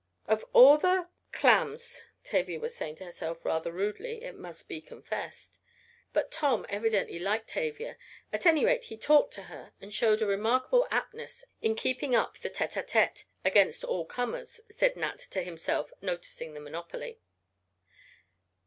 "Of all the clams," Tavia was saying to herself, rather rudely, it must be confessed. But Tom evidently liked Tavia, at any rate he talked to her and showed a remarkable aptness in keeping up the tete a tete, "against all comers," said Nat to himself, noticing the monopoly.